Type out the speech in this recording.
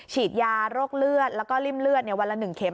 ฉีดยารกเลือดแล้วก็ลิ่มเลือดวันละหนึ่งเข็ม